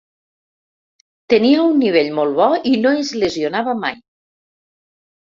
Tenia un nivell molt bo i no es lesionava mai.